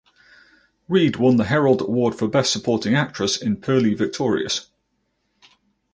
Reed won the Herald Award for best supporting actress in "Purlie Victorious".